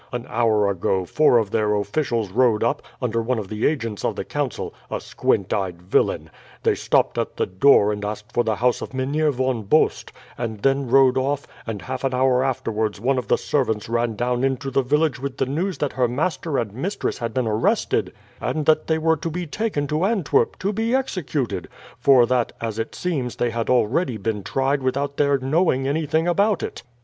"An hour ago four of their officials rode up, under one of the agents of the Council a squint eyed villain. They stopped at the door and asked for the house of Mynheer Von Bost, and then rode off, and half an hour afterwards one of the servants ran down into the village with the news that her master and mistress had been arrested, and that they were to be taken to Antwerp to be executed; for that, as it seems, they had already been tried without their knowing anything about it."